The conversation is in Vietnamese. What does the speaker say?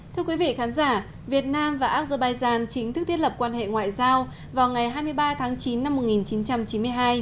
thưa quý vị khán giả việt nam và azerbaijan chính thức thiết lập quan hệ ngoại giao vào ngày hai mươi ba tháng chín năm một nghìn chín trăm chín mươi hai